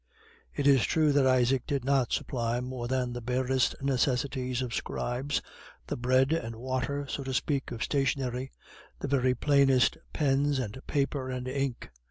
It is true that Isaac did not supply more than the barest necessaries of scribes, the bread and water, so to speak, of stationery, the very plainest pens and paper and ink.